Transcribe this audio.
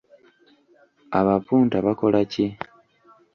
Abapunta bakola ki?